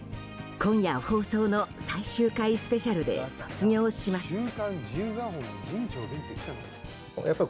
今夜放送の最終回スペシャルで卒業します。